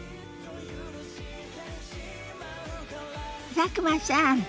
佐久間さん